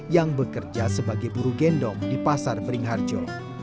yang bekerja sebagai buru gendong di pasar beringharjo